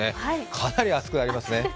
かなり暑くなりますね。